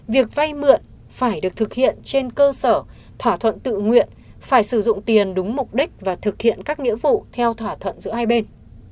việc vay mượn phải được thực hiện trên cơ sở thỏa thuận tự nguyện phải sử dụng tiền đúng mục đích và thực hiện các nghĩa vụ theo thỏa thuận giữa hai bên